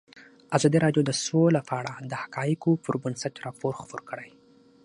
ازادي راډیو د سوله په اړه د حقایقو پر بنسټ راپور خپور کړی.